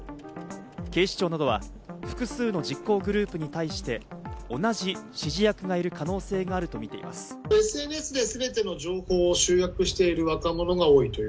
警視庁などは複数の実行グループに対して、同じ指示役がいる可能性があるとみています。